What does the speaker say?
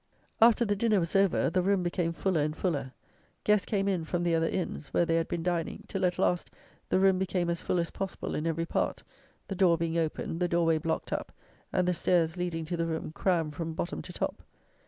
After the dinner was over, the room became fuller and fuller; guests came in from the other inns, where they had been dining, till, at last, the room became as full as possible in every part, the door being opened, the door way blocked up, and the stairs, leading to the room, crammed from bottom to top.